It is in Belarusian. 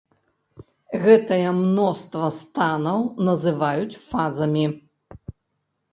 Гэтае мноства станаў называюць фазамі.